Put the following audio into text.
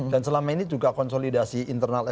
dan selama ini juga konsolidasi internal fpi